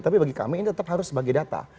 tapi bagi kami ini tetap harus sebagai data